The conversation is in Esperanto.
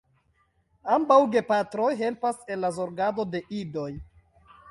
Ambaŭ gepatroj helpas en la zorgado de idoj.